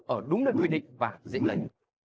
ở đúng nơi quy định và dĩ lệnh